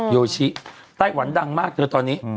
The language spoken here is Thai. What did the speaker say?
ยูชิไต้หวันดังมากดนี้